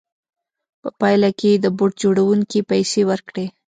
په پایله کې یې د بوټ جوړوونکي پیسې ورکړې